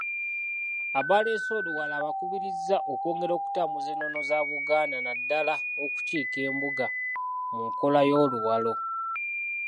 Abaleese oluwalo abakubiriza okwongera okutambuuza ennono za Buganda naddala okukiika Embuga mu nkola ey'Oluwalo.